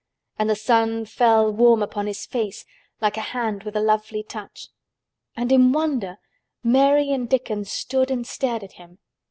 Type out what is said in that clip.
And the sun fell warm upon his face like a hand with a lovely touch. And in wonder Mary and Dickon stood and stared at him.